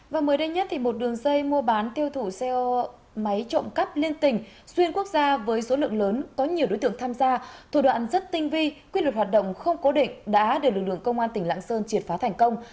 và mới đây nhất một đường dây mua bán tiêu thụ xe máy trộm cắp liên tỉnh xuyên quốc gia với số lượng lớn có nhiều đối tượng tham gia thủ đoạn rất tinh vi quyết luật hoạt động không cố định đã được lực lượng công an tỉnh lạng sơn triệt phá thành công